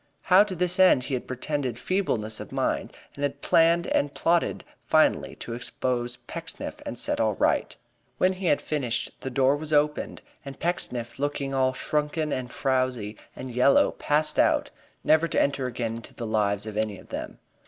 How to this end he had pretended feebleness of mind and had planned and plotted finally to expose Pecksniff and set all right. When he had finished the door was opened and Pecksniff, looking all shrunken and frowsy and yellow, passed out, never to enter again into the lives of any of them.